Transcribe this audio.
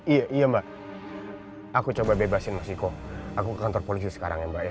iya iya mbak aku coba bebasin mas iko aku ke kantor polisi sekarang ya mbak ya